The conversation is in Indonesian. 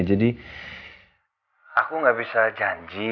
jadi aku gak bisa janji